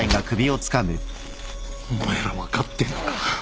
お前ら分かってんのか？